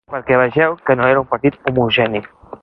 Perquè vegeu que no era un partit homogeni.